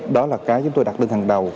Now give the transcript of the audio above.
đó là cái chúng tôi đặt lên hàng đầu